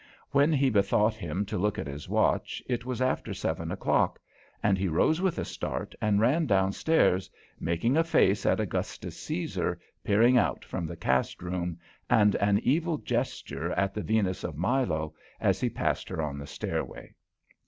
When he bethought him to look at his watch, it was after seven o'clock, and he rose with a start and ran downstairs, making a face at Augustus Caesar, peering out from the cast room, and an evil gesture at the Venus of Milo as he passed her on the stairway.